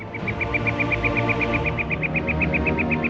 dialaha dengan mereka semua orang sudah mengejar dia